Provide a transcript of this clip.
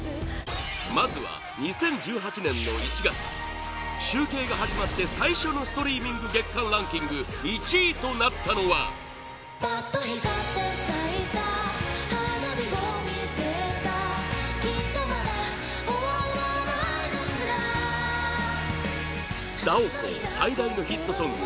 まずは、２０１８年の１月集計が始まって最初のストリーミング月間ランキング１位となったのがＤＡＯＫＯ最大のヒットソング